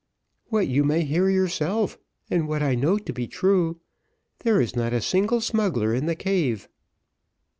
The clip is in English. "What you may hear yourself, and what I know to be true; there is not a single smuggler in the cave."